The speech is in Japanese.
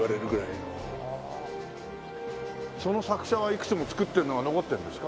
その作者はいくつも作ってるのが残ってるんですか？